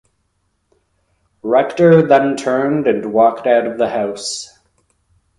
Rector then turned and walked out of the house.